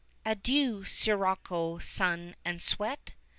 Adieu, sirocco, sun, and sweat!